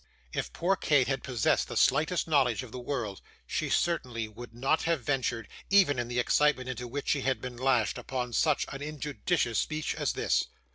If poor Kate had possessed the slightest knowledge of the world, she certainly would not have ventured, even in the excitement into which she had been lashed, upon such an injudicious speech as this.